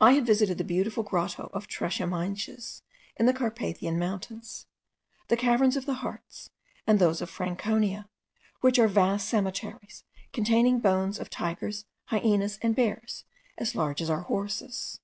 I had visited the beautiful grotto of Treshemienshiz, in the Carpathian mountains, the caverns of the Hartz, and those of Franconia, which are vast cemeteries,* containing bones of tigers, hyenas, and bears, as large as our horses.